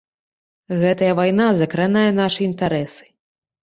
Гэтая вайна закранае нашы інтарэсы.